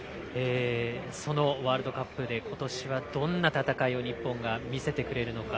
そのワールドカップで今年はどんな戦いを日本が見せてくれるのか。